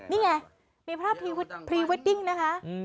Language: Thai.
นี่ไงมีภาพพรีเวดดิ้งนะคะ